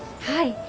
はい。